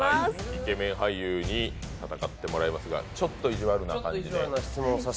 イケメン俳優に戦っていただきますがちょっといじわるな感じで。